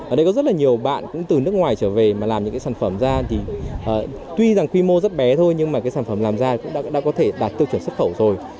ở đây có rất là nhiều bạn cũng từ nước ngoài trở về mà làm những cái sản phẩm ra thì tuy rằng quy mô rất bé thôi nhưng mà cái sản phẩm làm ra cũng đã có thể đạt tiêu chuẩn xuất khẩu rồi